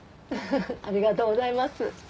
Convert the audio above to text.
フフフありがとうございます。